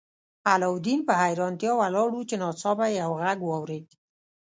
علاوالدین په حیرانتیا ولاړ و چې ناڅاپه یې یو غږ واورید.